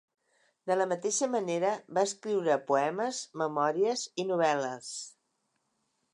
De la mateixa manera, va escriure poemes, memòries i novel·les.